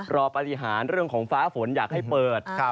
ปฏิหารเรื่องของฟ้าฝนอยากให้เปิด